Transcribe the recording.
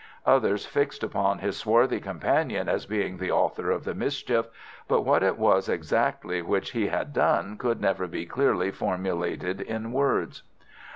Others fixed upon his swarthy companion as being the author of the mischief, but what it was exactly which he had done could never be clearly formulated in words.